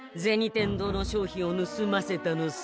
天堂の商品をぬすませたのさ。